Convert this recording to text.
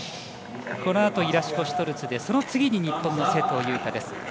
このあと、イラシュコシュトルツその次に日本の勢藤優花です。